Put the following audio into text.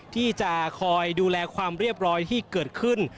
ที่จะคอยดูแลความเรียบร้อยที่เกิดขึ้น